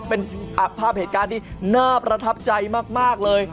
เป็นภาพเหตุการณ์ที่น่าประทับใจมากเลย